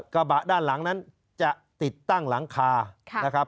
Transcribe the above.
กระบะด้านหลังนั้นจะติดตั้งหลังคานะครับ